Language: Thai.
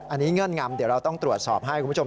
อันนี้เงื่อนงำเดี๋ยวเราต้องตรวจสอบให้คุณผู้ชม